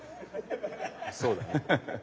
そうだね。